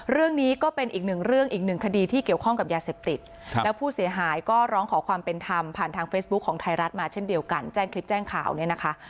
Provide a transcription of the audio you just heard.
เรื่องนี้ก็เป็นอีกหนึ่งเรื่องอีกหนึ่งคดีที่เกี่ยวข้องกับยาเสพติดแล้วผู้เสียหายก็ร้องขอความเป็นธรรมผ่านทางเฟซบุ๊คของไทยรัฐมาเช่นเดียวกันแจ้งคลิปแจ้งข่าวเนี่ยนะคะ